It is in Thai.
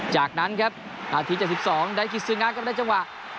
จากนั้นครับนาที๗๒ไดกิจซึงะก็ได้จังหวะ